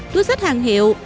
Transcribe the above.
túi xách hàng hiệu